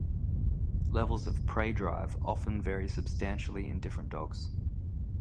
Levels of prey drive often vary substantially in different dogs.